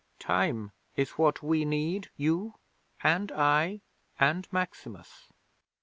Time is what we need you and I and Maximus.